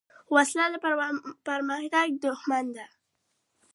وسله د پرمختګ دښمن ده